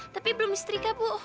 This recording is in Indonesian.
tapi belum istrika bu